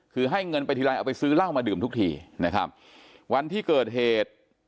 คือให้เงินไปทีไรเอาไปซื้อเหล้ามาดื่มทุกทีนะครับวันที่เกิดเหตุ